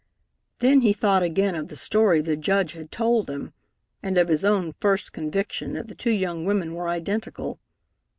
Then he thought again of the story the Judge had told him, and of his own first conviction that the two young women were identical.